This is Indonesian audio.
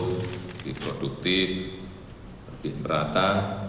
lebih produktif lebih merata